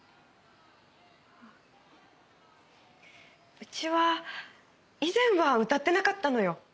うちは以前は歌ってなかったのよ。